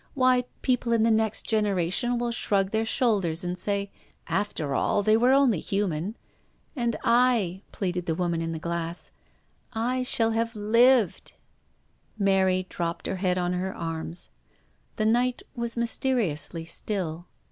Why, people in the next generation will shrug their shoulders and say, * After all, they were only human.' And I," pleaded the woman in the glass, " I shall have lived." Mary dropped her head on to her arms, The night was mysteriously still.